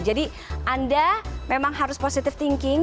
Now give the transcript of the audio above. jadi anda memang harus positive thinking